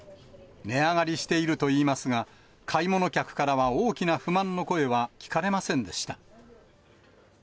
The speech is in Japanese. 値上がりしているといいますが、買い物客からは大きな不満の声は聞かれませんでした。